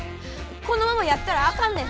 このままやったらあかんねん。